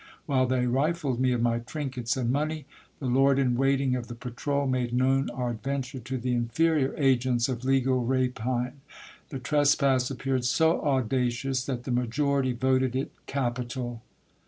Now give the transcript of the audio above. While they rifled me of my trinkets and money, the lord in wait ing of the patrole made known our adventure to the inferior agents of legal rapine. The trespass appeared so audacious that the majority voted it capital.